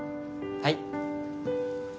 はい。